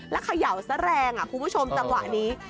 แล้วเขย่าซะแรงคุณผู้ชมจังหวะนี้